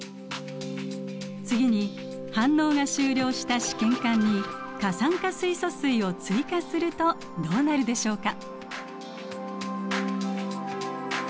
次に反応が終了した試験管に過酸化水素水を追加するとどうなるでしょうか？